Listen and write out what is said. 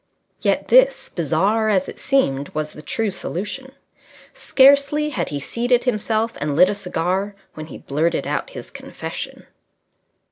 Yet this, bizarre as it seemed, was the true solution. Scarcely had he seated himself and lit a cigar when he blurted out his confession.